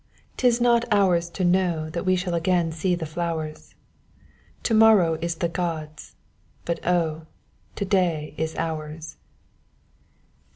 'Tis not ours to know That we again shall see the flowers. To morrow is the gods' but, oh! To day is ours.